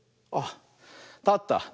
あったった。